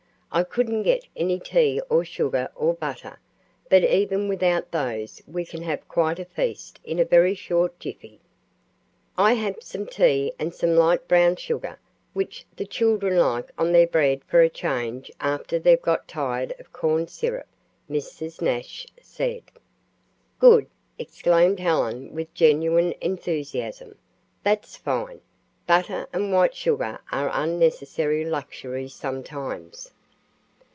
"I couldn't get any tea or sugar or butter, but even without those we can have quite a feast in a very short jiffy." "I have some tea and some light brown sugar, which the children like on their bread for a change after they've got tired of corn syrup," Mrs. Nash said. "Good!" exclaimed Helen with genuine enthusiasm. "That's fine! Butter and white sugar are unnecessary luxuries sometimes.